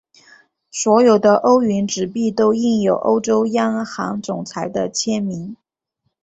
所有的欧元纸币都印有欧洲央行总裁的签名。